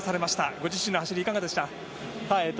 ご自身の走りいかがでした。